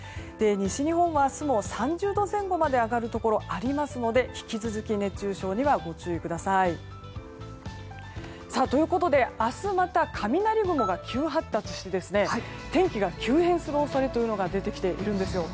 西日本は明日も３０度前後まで上がるところがありますので引き続き熱中症にはご注意ください。ということで明日また雷雲が急発達して天気が急変する恐れが出てきているんですよ。